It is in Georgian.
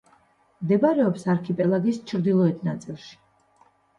მდებარეობს არქიპელაგის ჩრდილოეთ ნაწილში.